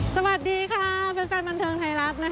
สวัสดีค่ะแฟนบันเทิงไทยรัฐนะคะ